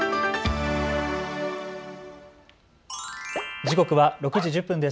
時刻は６時１０分です。